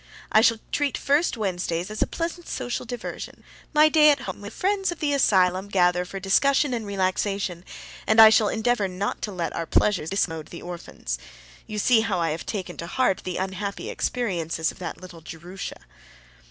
I shall treat "first Wednesdays" as a pleasant social diversion, my day at home, when the friends of the asylum gather for discussion and relaxation; and I shall endeavor not to let our pleasures discommode the orphans. You see how I have taken to heart the unhappy experiences of that little Jerusha.